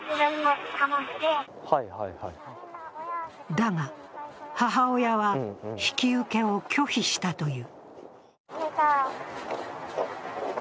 だが、母親は引き受けを拒否したという。